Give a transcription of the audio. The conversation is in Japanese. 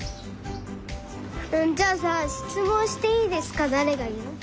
じゃあさ「しつもんしていいですか」だれがいう？